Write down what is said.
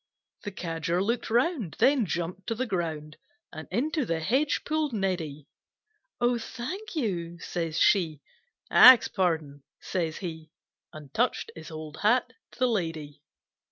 The Cadger look'd round, Then jump'd to the ground, And into the hedge pull'd Neddy. "O thank you!" says she, "Ax pardon!" says he, And touch'd his old hat to the Lady.